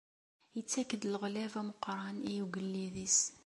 Ittak-d leɣlab ameqqran i ugellid-is.